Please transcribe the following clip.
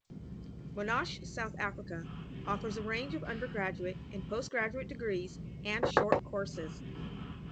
Monash South Africa offers a range of undergraduate and postgraduate degrees and short courses.